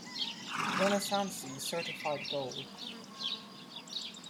Renesanssi certified gold.